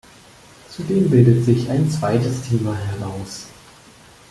Zudem bildet sich ein zweites Thema heraus.